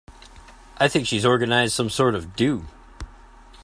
I think she's organising some sort of do.